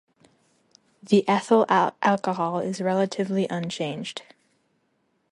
The ethyl alcohol is relatively unchanged.